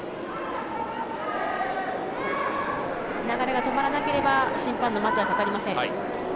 流れが止まらなければ審判の待てはかかりません。